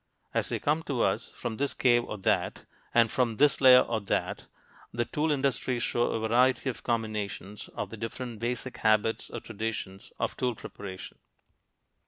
As they come to us, from this cave or that, and from this layer or that, the tool industries show a variety of combinations of the different basic habits or traditions of tool preparation.